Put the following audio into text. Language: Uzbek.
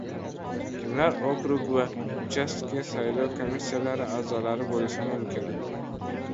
Kimlar okrug va uchastka saylov komissiyalari a’zolari bo‘lishi mumkin?